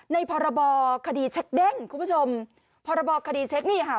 พรบคดีเช็คเด้งคุณผู้ชมพรบคดีเช็คนี่ค่ะ